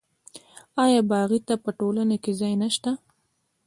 آیا باغي ته په ټولنه کې ځای نشته؟